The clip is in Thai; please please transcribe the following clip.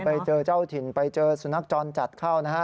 ไปเจอเจ้าถิ่นไปเจอสุนัขจรจัดเข้านะฮะ